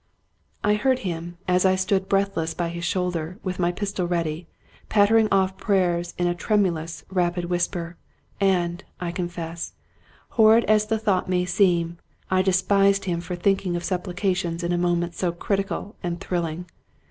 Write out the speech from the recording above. I heard him, as I stood breathless by his shoulder, with my pistol ready, pattering off prayers in a tremulous, rapid whisper ; and, I confess, horrid as the thought may seem, I despised him for thinking of supplications in a moment so critical and thrilling.